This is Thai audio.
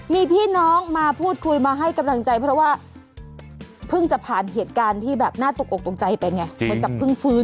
มีพี่น้องมาพูดคุยมาให้กำลังใจเพราะว่าพึ่งจะผ่านเหตุการณ์ที่หน้าตกอกตรงใจเป็นไง